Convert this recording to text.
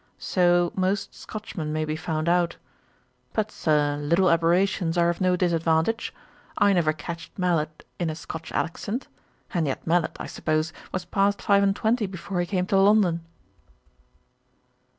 So most Scotchmen may be found out. But, Sir, little aberrations are of no disadvantage. I never catched Mallet in a Scotch accent; and yet Mallet, I suppose, was past five and twenty before he came to London.'